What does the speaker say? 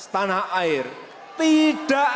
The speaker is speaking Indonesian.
tanah air tidak